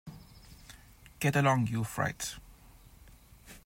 Get along, you fright!